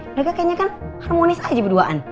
mereka kayaknya kan harmonis aja berduaan